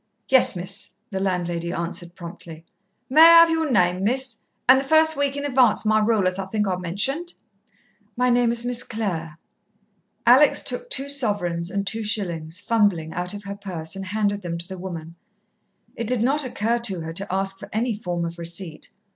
"Yes, Miss," the landlady answered promptly. "May I have your name, Miss? and the first week in advance my rule, as I think I mentioned." "My name is Miss Clare." Alex took two sovereigns and two shillings, fumbling, out of her purse and handed them to the woman. It did not occur to her to ask for any form of receipt.